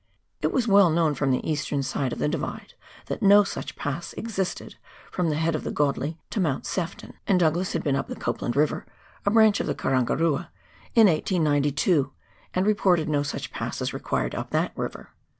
It was well known from the eastern side of the Divide that no such pass existed from the head of the Godley to Mount Sefton ; and Douglas had been up the Copland River, a branch of the Karangarua, in 1892, and reported no such pass as required up that river.